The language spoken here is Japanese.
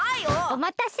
おまたせ。